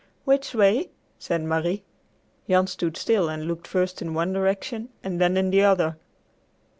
"Which way?" said Marie. Jan stood still and looked first in one direction and then in the other.